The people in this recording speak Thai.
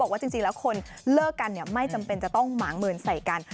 ว่าจริงแล้วคนเลิกกันไม่จำเป็นจะต้องหมางเมินใส่กัน